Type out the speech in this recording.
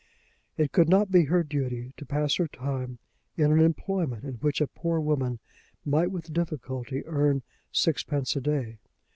It could not be her duty to pass her time in an employment in which a poor woman might with difficulty earn sixpence a day.